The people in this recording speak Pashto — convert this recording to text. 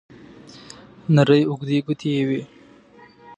نرۍ اوږدې ګوتې یې وې.